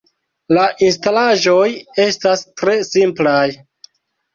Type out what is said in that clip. La instalaĵoj estas tre simplaj.